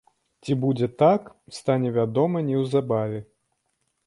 Ці будзе так, стане вядома неўзабаве.